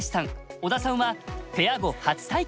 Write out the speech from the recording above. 小田さんはペア碁初体験。